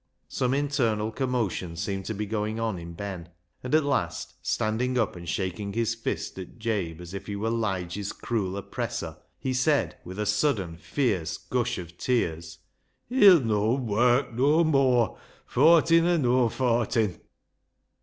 Some internal commotion seemed to be going on in Ben, and at last, standing up and shaking his fist at Jabe as if he were Lige's cruel oppressor, he cried, with a sudden fierce gush of tears —" He'll no' wark noa mooar, fortin or noa fortin."